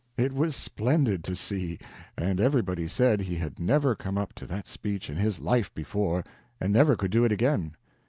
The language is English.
It was splendid to see; and everybody said he had never come up to that speech in his life before, and never could do it again.